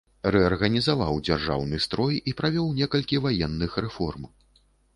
Рэарганізаваў дзяржаўны строй і правёў некалькі ваенных рэформ.